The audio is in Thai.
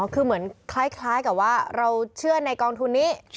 คือเหมือนคล้ายกับว่าเราเชื่อในกองทุนนี้